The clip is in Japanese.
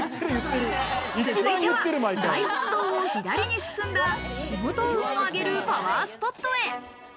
続いては大本堂を左に進んだ仕事運を上げるパワースポットへ。